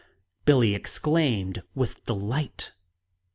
Billie exclaimed with delight.